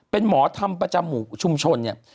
เป็นหมอธรรมประจำหมู่ชุมชนเนี่ย